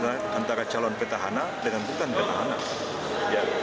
antara calon petahana dengan bukan petahana